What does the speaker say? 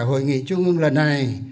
hội nghị trung ương lần này